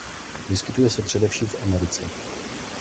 Vyskytuje se především v Americe.